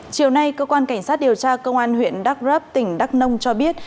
chiều nay cơ quan cảnh sát điều tra công an huyện đắk rấp tỉnh đắk nông cho biết